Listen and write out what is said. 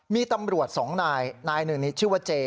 มีตำรวจสองนายนายหนึ่งนี้ชื่อว่าเจ